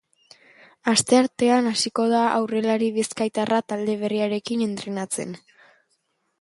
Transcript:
Asteartean hasiko da aurrelari bizkaitarra talde berriarekin entrenatzen.